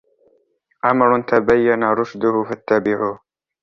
أَمْرٌ تَبَيَّنَ رُشْدُهُ فَاتَّبِعُوهُ